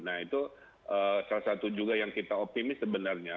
nah itu salah satu juga yang kita optimis sebenarnya